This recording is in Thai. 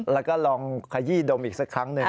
แล้วก็ลองขยี้ดมอีกสักครั้งหนึ่ง